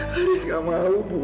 haris gak mau bu